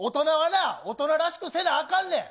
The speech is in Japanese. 大人はな、大人らしくせなあかんねん。